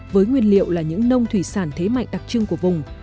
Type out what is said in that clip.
với nguyên liệu là những nông thủy sản thế mạnh đặc trưng của vùng